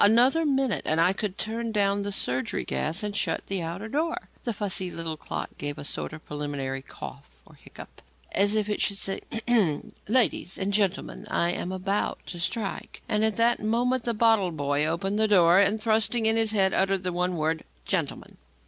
Another minute and I could turn down the surgery gas and shut the outer door. The fussy little clock gave a sort of preliminary cough or hiccup, as if it should say: "Ahem! ladies and gentlemen, I am about to strike." And at that moment, the bottle boy opened the door and, thrusting in his head, uttered the one word: "Gentleman."